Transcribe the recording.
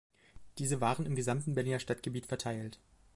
Diese waren im gesamten Berliner Stadtgebiet verteilt.